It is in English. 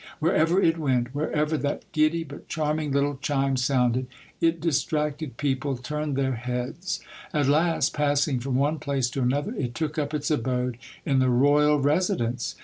Wherever it went, wherever that giddy but charm 6S Monday Tales. ing little chime sounded, it distracted people, turned their heads. At last, passing from one place to another, it took up its abode in the Royal Resi dence.